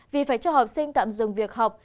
vì phải cho học sinh tạm dừng việc học